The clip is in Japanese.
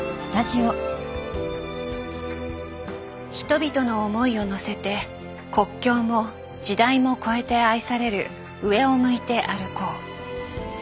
人々の思いをのせて国境も時代も超えて愛される「上を向いて歩こう」。